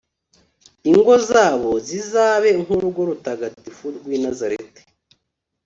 ingo zabo zizabe nk'urugo rutagatifu rw'i nazareti